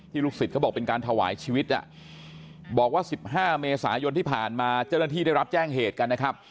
ลูกศิษย์เขาบอกเป็นการถวายชีวิตบอกว่า๑๕เมษายนที่ผ่านมาเจ้าหน้าที่ได้รับแจ้งเหตุกันนะครับ